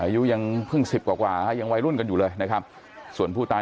อายุยังเพิ่ง๑๐กว่ายังวัยรุ่นกันอยู่เลยนะครับส่วนผู้ตาย